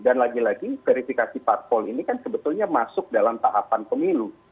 dan lagi lagi verifikasi parpol ini kan sebetulnya masuk dalam tahapan pemilu